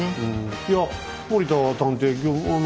いや森田探偵